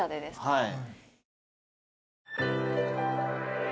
はい。